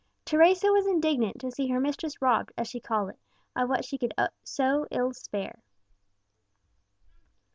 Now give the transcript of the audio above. Teresa was indignant to see her mistress robbed, as she called it, of what she so ill could spare.